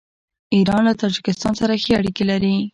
ایران له تاجکستان سره ښې اړیکې لري.